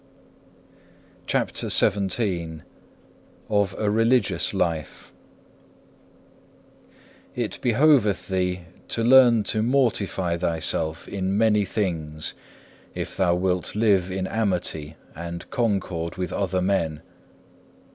CHAPTER XVII Of a Religious life It behoveth thee to learn to mortify thyself in many things, if thou wilt live in amity and concord with other men.